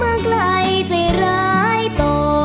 ข้าวคือตัวไหว